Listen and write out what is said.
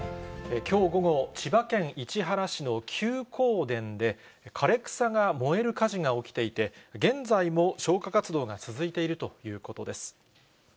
きょう午後、千葉県市原市の休耕田で、枯れ草が燃える火事が起きていて、現在も消火活動が続いているということです。